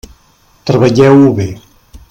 Treballeu-ho bé.